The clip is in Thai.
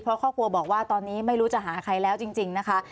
เพราะครอบครัวบอกว่าตอนนี้ไม่รู้จะหาใครแล้วจริงนะคะ